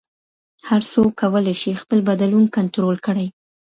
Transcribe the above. هر څوک کولی شي خپل بدلون کنټرول کړي.